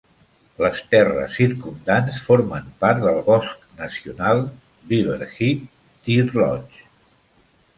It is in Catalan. Les terres circumdants formen part del bosc nacional Beaverhead-Deerlodge.